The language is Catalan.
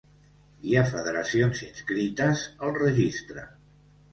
Hi ha federacions inscrites al Registre.